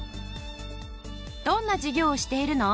どんな授業をしているの？